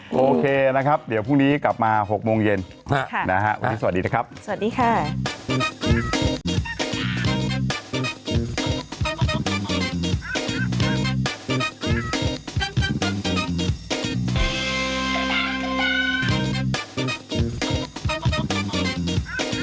โปรดติดตามตอนต่อไป